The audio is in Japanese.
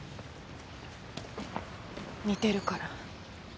似てるから。